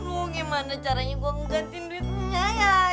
lu gimana caranya gua ngegantiin duitnya ya ya allah